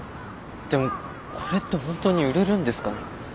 でもこれってほんとに売れるんですかね？